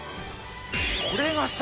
これがさ